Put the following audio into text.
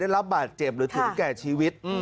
ได้รับบาดเจ็บหรือถึงแก่ชีวิต